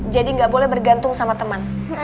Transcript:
jadi gak boleh bergantung sama teman